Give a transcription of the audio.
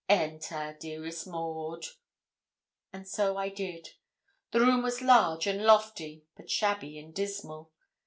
Enter, dearest Maud.' And so I did. The room was large and lofty, but shabby and dismal.